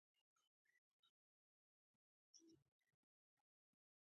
زه د موټر ګړندی تګ نه خوښوم.